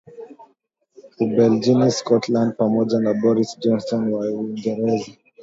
Ubelgiji Scotland pamoja na Boris Johnson wa Uingereza